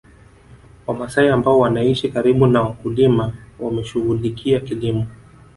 Wamasai ambao wanaishi karibu na wakulima wameshughulikia kilimo